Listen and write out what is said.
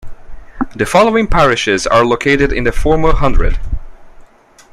The following parishes are located in the former hundred.